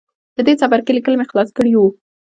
د دې څپرکي ليکل مې خلاص کړي وو